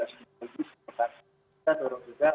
sudah sedikit lagi sepertinya